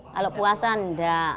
kalau puasa enggak